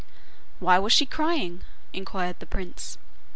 'Why was she crying?' inquired the prince.